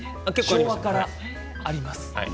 昭和のころからあります。